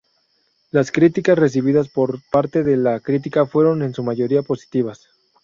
Las críticas recibidas por parte de la crítica fueron en su mayoría positivas.